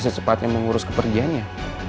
secepatnya mengurus kepergiannya